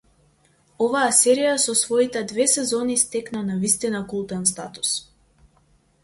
Оваа серија со своите две сезони стекна навистина култен статус.